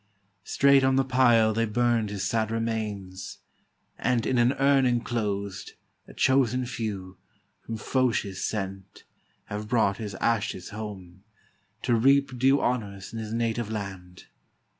Straight on the pile they burned his sad remains; And, in an urn inclosed, a chosen few. From Phocis sent, have brought his ashes home, To reap due honors in his native land.